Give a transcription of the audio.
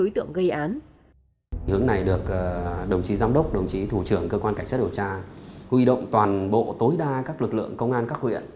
hướng này được đồng chí giám đốc đồng chí thủ trưởng cơ quan cảnh sát điều tra huy động toàn bộ tối đa các lực lượng công an các huyện